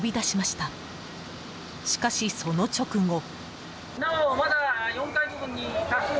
しかしその直後。